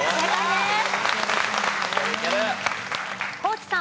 地さん。